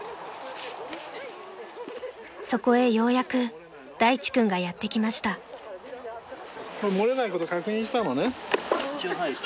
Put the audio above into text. ［そこへようやく大地君がやって来ました］漏れないこと確認したのね？